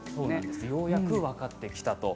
ようやく分かってきたと。